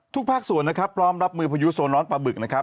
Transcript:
ภาคส่วนนะครับพร้อมรับมือพายุโซนร้อนปลาบึกนะครับ